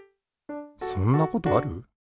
そんなことある？